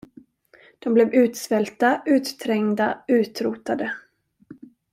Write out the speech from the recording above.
De blev utsvälta, utträngda, utrotade.